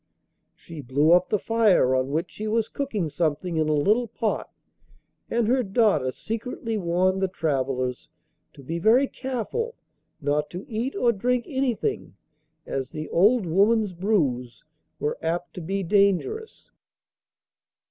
She blew up the fire on which she was cooking something in a little pot, and her daughter secretly warned the travellers to be very careful not to eat or drink anything, as the old woman's brews were apt to be dangerous.